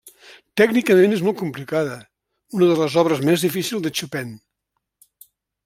Tècnicament és molt complicada, una de les obres més difícils de Chopin.